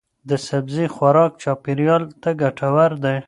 د سبزی خوراک چاپیریال ته ګټور دی.